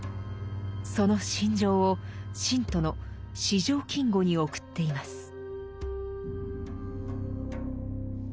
その心情を信徒の四条金吾に送っています。